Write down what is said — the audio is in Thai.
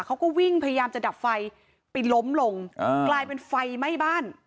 เขาก็วิ่งพยายามจะดับไฟไปล้มลงกลายเป็นไฟไหม้บ้าน